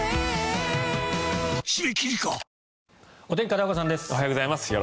おはようございます。